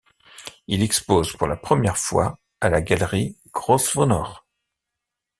Il expose pour la première fois à la galerie Grosvenor.